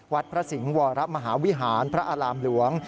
วัดพระสิงห์วรมหาวิหารพระอารามหลวง